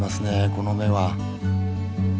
この目は。